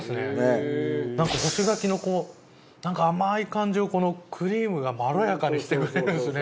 なんか干し柿のこうなんか甘い感じをこのクリームがまろやかにしてくれるんですね。